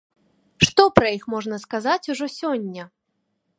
Што пра іх можна сказаць ужо сёння?